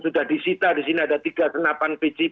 sudah disita disini ada tiga senapan pcp